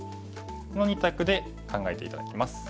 この２択で考えて頂きます。